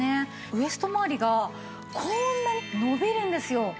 ウエストまわりがこんなに伸びるんですよ。